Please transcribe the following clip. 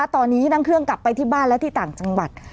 ตอนนี้นั่งเครื่องกลับไปที่บ้านและที่ต่างจังหวัด